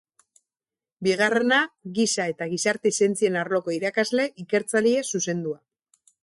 Bigarrena, Giza eta Gizarte Zientzien arloko irakasle ikertzaileei zuzendua.